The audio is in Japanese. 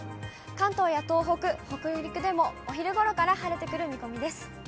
関東や東北、北陸でも、お昼ごろから晴れてくる見込みです。